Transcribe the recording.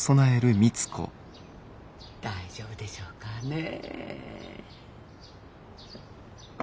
大丈夫でしょうかねえ。